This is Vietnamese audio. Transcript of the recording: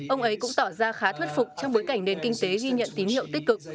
ông ấy cũng tỏ ra khá thuyết phục trong bối cảnh nền kinh tế ghi nhận tín hiệu tích cực